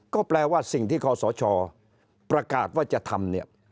ก็แปลว่าสิ่งที่ขอสชประกาศว่าจะทำเนี่ย